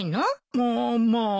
まっまあ。